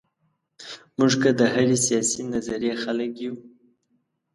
موږ که د هرې سیاسي نظریې خلک یو.